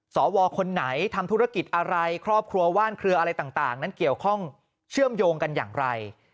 สวคนไหนทำธุรกิจอะไรครอบครัวว่านเครืออะไรต่างนั้นเกี่ยวข้องเชื่อมโยงกันอย่างไร